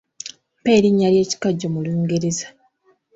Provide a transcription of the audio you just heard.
Mpa erinnya ly'ekikajjo mu Lungereza?